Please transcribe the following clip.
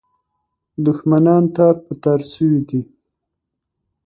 دښمنان تار په تار سوي دي.